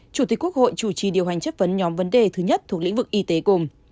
chủ tịch quốc hội chủ trì điều hành chất vấn nhóm vấn đề thứ nhất thuộc lĩnh vực y tế cùng